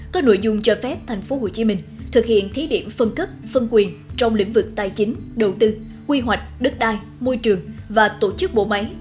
có nội dung cho phép tp hcm thực hiện thí điểm phân cấp phân quyền trong lĩnh vực tài chính đầu tư quy hoạch đất đai môi trường và tổ chức bộ máy